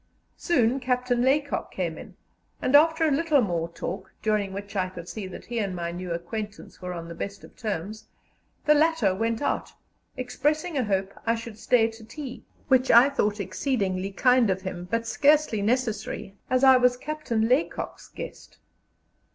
Soon Captain Laycock came in, and after a little more talk, during which I could see that he and my new acquaintance were on the best of terms, the latter went out, expressing a hope I should stay to tea, which I thought exceedingly kind of him, but scarcely necessary, as I was Captain Laycock's guest.